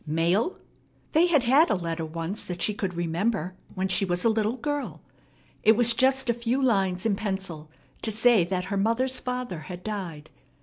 Mail? They had had a letter once that she could remember, when she was a little girl. It was just a few lines in pencil to say that her mother's father had died.